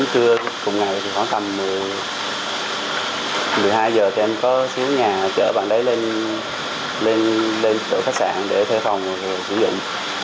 trước trưa cùng ngày thì khoảng tầm một mươi hai giờ thì em có xíu nhà chở bạn ấy lên chỗ khách sạn để thay phòng và sử dụng